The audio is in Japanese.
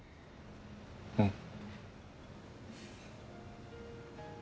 うん。